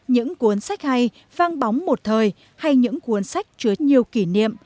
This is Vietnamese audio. những cuốn sách hay vang bóng một thời hay những cuốn sách chứa nhiều kỷ niệm